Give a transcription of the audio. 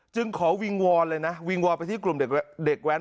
จึงขอวิงวอนเลยนะวิงวอนไปที่กลุ่มเด็กแว้น